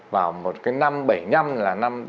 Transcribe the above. vào một cái năm bảy mươi năm là năm